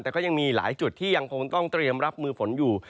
แต่ก็ยังมีหลายจุดที่ยังคงต้องเตรียมรับมือฝนอยู่